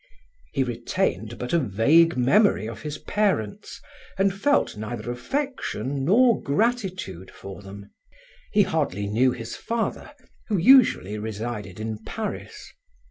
He retained but a vague memory of his parents and felt neither affection nor gratitude for them. He hardly knew his father, who usually resided in Paris.